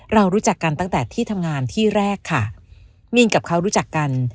เรารู้จักกันตั้งแต่ที่ทำงานที่แรกค่ะมีนกับเขารู้จักกัน